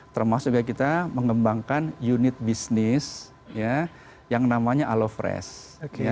termasuk juga kita mengembangkan unit bisnis yang namanya alofresh